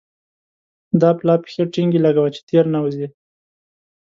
دا پلا پښې ټينګې لګوه چې تېر نه وزې.